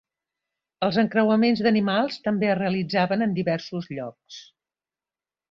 Els encreuaments d'animals també es realitzaven en diversos llocs.